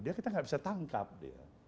kita tidak bisa tangkap dia